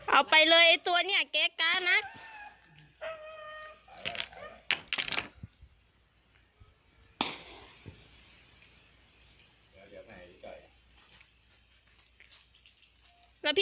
เอาไปเลยตัวเนี่ยเก๊กครัดนะ